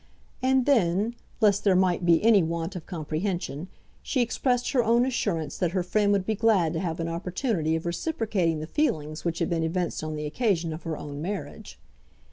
And then, lest there might be any want of comprehension, she expressed her own assurance that her friend would be glad to have an opportunity of reciprocating the feelings which had been evinced on the occasion of her own marriage.